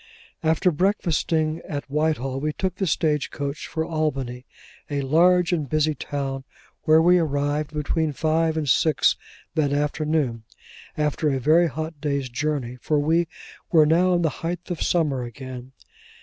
After breakfasting at Whitehall, we took the stage coach for Albany: a large and busy town, where we arrived between five and six o'clock that afternoon; after a very hot day's journey, for we were now in the height of summer again.